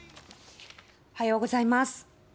おはようございます。